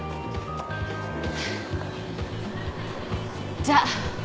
じゃあ。